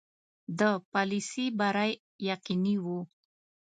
د پالیسي بری یقیني وو.